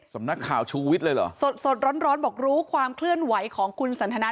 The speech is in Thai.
สำนักข่าวชูวิทย์เลยเหรอสดสดร้อนร้อนบอกรู้ความเคลื่อนไหวของคุณสันทนา